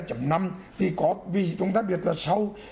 thì có vì chúng ta biết là sau